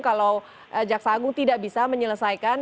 kalau jaksa agung tidak bisa menyelesaikan